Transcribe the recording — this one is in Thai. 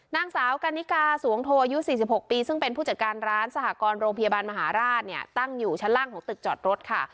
นางสาวกันนิกาสวงโทอายุ๔๖ปีซึ่งเป็นผู้จัดการร้านสหกรณ์โรงพยาบาลมหาราชเนี่ยตั้งอยู่ชั้นล่างของตึกจอดรถค่ะ